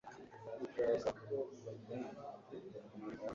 ashaka ko bajyana kurya